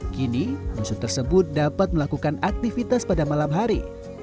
kini musuh tersebut dapat melakukan aktivitas pada malam hari